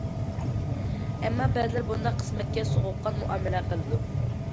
ئەمما، بەزىلەر بۇنداق قىسمەتكە سوغۇققان مۇئامىلە قىلىدۇ.